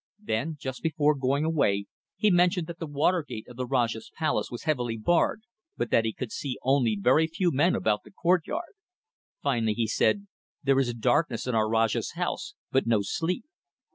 Then just before going away he mentioned that the water gate of the Rajah's place was heavily barred, but that he could see only very few men about the courtyard. Finally he said, 'There is darkness in our Rajah's house, but no sleep.